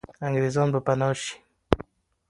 انګریزان به پنا سي.